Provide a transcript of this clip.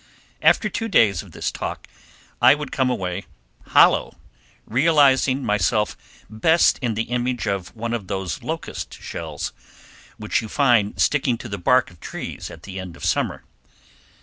After two days of this talk I would come away hollow, realizing myself best in the image of one of those locust shells which you find sticking to the bark of trees at the end of summer.